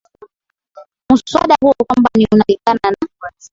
muswada huo kwamba ni unalingana na